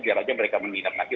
biar aja mereka menginap nanti